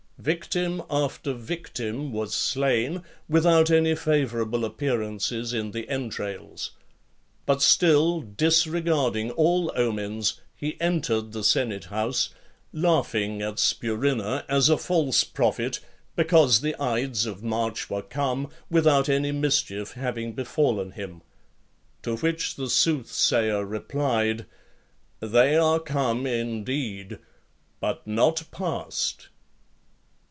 Victim after victim was slain, without any favourable appearances in the entrails; but still, disregarding all omens, he entered the senate house, laughing at Spurinna as a false prophet, because the ides of March were come, without any mischief having befallen him. To which the soothsayer replied, "They are come, indeed, but not past."